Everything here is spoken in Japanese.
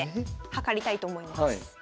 ⁉計りたいと思います。